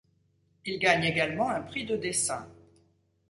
Il gagne également un prix de dessin.